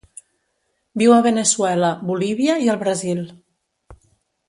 Viu a Veneçuela, Bolívia i el Brasil.